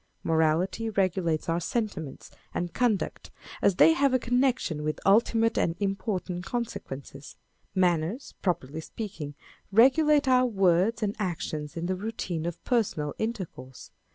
Morality regulates our sentiments and conduct as they have a connection with ultimate and important consequences : â€" Manners, properly speaking, regulate our words and actions in the routine of personal intercourse.